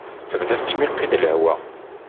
Tebda tettmiqi-d lehwa.